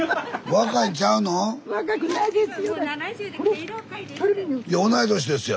若くないですよ。